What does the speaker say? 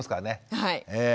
はい。